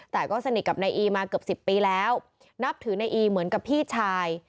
แต่ก็สนิทกับนายอีมาเกือบ๑๐ปีแล้วนับถือนายอีเหมือนกับพี่ชาย